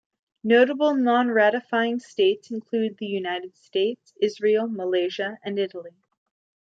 Notable non-ratifying states include the United States, Israel, Malaysia, and Italy.